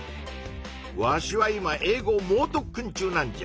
わしは今英語もう特訓中なんじゃ。